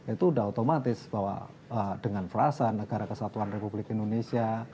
itu sudah otomatis bahwa dengan frasa negara kesatuan republik indonesia